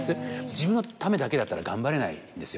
自分のためだけだったら頑張れないんですよ。